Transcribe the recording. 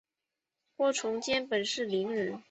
郭从谦本是伶人。